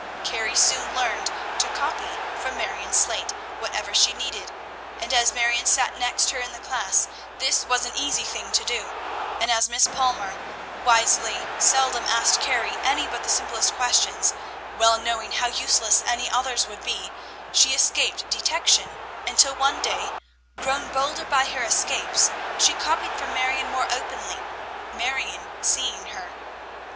Carrie soon learned to copy from Marion's slate whatever she needed, and, as Marion sat next her in the class, this was an easy thing to do; and as Miss Palmer, wisely, seldom asked Carrie any but the simplest questions, well knowing how useless any others would be, she escaped detection until, one day, grown bolder by her escapes, she copied from Marion more openly, Marion seeing her.